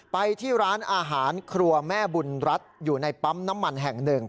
ไปที่ร้านอาหารครัวแม่บุญรัฐอยู่ในปั๊มน้ำมันแห่งหนึ่ง